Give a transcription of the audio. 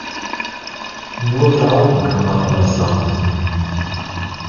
Nur glauben kann man an das Land.